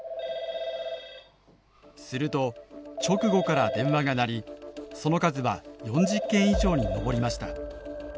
すると直後から電話が鳴りその数は４０件以上に上りました。